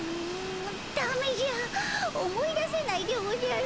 だめじゃ思い出せないでおじゃる。